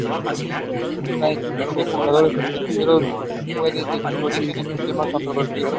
La inclusión de jugadores extranjeros fue desde sus orígenes un tema controvertido.